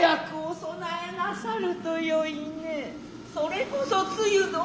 それこそ露の。